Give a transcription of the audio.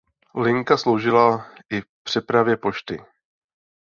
Linka sloužila i přepravě pošty.